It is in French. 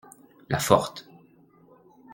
La forte.